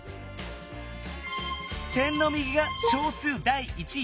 点の右が小数第一位。